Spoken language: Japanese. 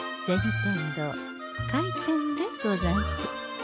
天堂開店でござんす。